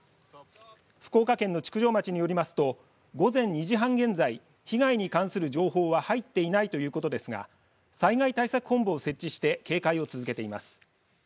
福岡県の築上町によりますと午前２時半現在被害に関する情報は入っていないということですが災害対策本部を設置して警戒を続けています。